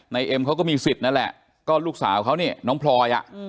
เอ็มเขาก็มีสิทธิ์นั่นแหละก็ลูกสาวเขานี่น้องพลอยอ่ะ